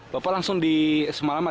bapak langsung di semalam ada